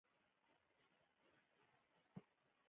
مزارشریف د افغانستان د موسم د بدلون سبب کېږي.